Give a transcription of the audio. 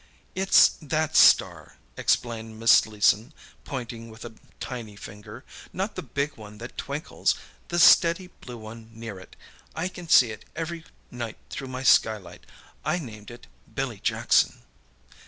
"It's that star," explained Miss Leeson, pointing with a tiny finger. "Not the big one that twinkles—the steady blue one near it. I can see it every night through my skylight. I named it Billy Jackson."